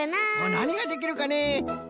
なにができるかねえ？